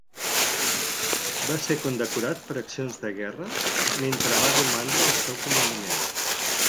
Va ser condecorat per accions de guerra mentre va romandre al seu comandament.